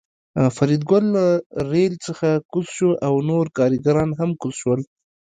فریدګل له ریل څخه کوز شو او نور کارګران هم کوز شول